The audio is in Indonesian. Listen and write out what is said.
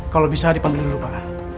kalau bisa dipanggil dulu pak